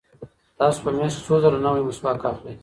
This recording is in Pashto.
تاسو په میاشت کې څو ځله نوی مسواک اخلئ؟